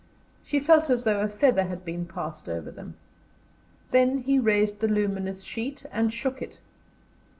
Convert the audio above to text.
She felt as though a feather had been passed over them. Then he raised the luminous sheet and shook it.